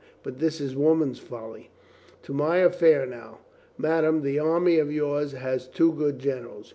But this is woman's folly. To my affair now. Madame, this army of yours has too good generals.